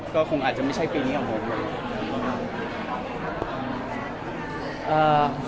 ก็คงอาจจะไม่ใช่ปีนี้ของผม